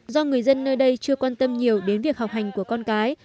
do người dân nơi đây chưa quan tâm nhiều đến việc học hành của con cái